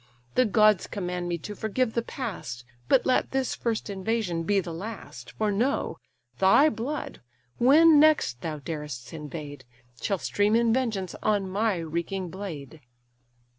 The gods command me to forgive the past: But let this first invasion be the last: For know, thy blood, when next thou darest invade, Shall stream in vengeance on my reeking blade."